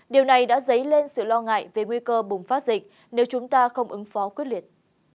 điều này đã dấy lên sự lo ngại về nguy cơ bùng phát dịch nếu chúng ta không ứng phó quyết liệt